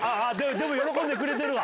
でも、喜んでくれてるわ。